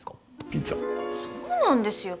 そうなんですよ。